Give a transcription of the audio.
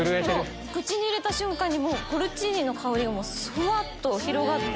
口に入れた瞬間にポルチーニの香りがふわっと広がって。